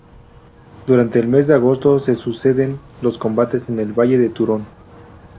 Durante el mes de agosto se suceden los combates en el valle de Turón.